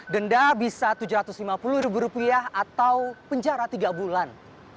denda bisa rp tujuh ratus lima puluh atau penjara tiga bulan